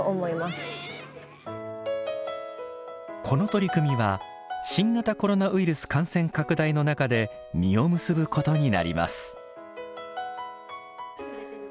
この取り組みは新型コロナウイルス感染拡大の中で実を結ぶことになります。